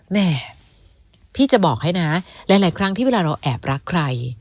แม่พี่จะบอกให้นะหลายครั้งที่เวลาเราแอบรักใคร